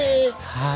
はい。